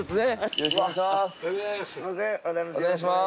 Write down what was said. よろしくお願いします。